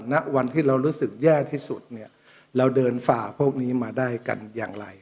ณวันที่เรารู้สึกแย่ที่สุดเนี่ยเราเดินฝ่าพวกนี้มาได้กันอย่างไร